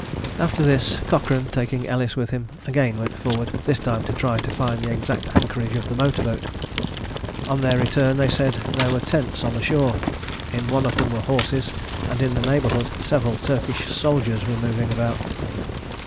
After this, Cochrane, taking Ellis with him, again went forward, this time to try to find the exact anchorage of the motor boat. On their return they said there were tents on the shore. In one of them were horses, and in the neighbourhood several Turkish soldiers were moving about.